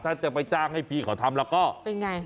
ถ้าจะไปจ้างให้พี่เขาทำแล้วก็เป็นไง